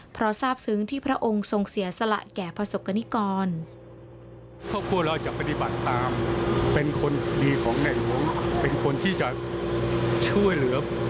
เพราะทราบซึ้งที่พระองค์ทรงเสียสละแก่ประสบกรณิกร